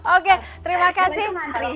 oke terima kasih